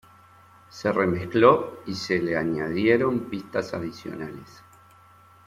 Se remezcló y se le añadieron pistas adicionales.